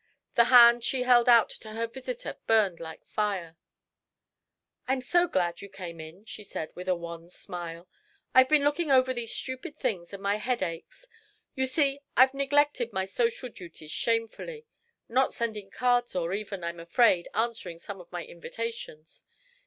The hand she held out to her visitor burned like fire. "I'm so glad you came in," she said, with a wan smile. "I've been looking over these stupid things and my head aches. You see, I've neglected my social duties shamefully not sending cards, or even, I'm afraid, answering some of my invitations.